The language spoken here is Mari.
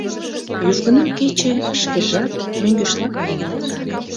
Южгунам кече шкежат мӧҥгешла каен колта...